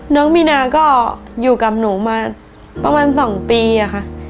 น้องมีนาก็อยู่กับหนูมาประมาณ๒ปีอะค่ะ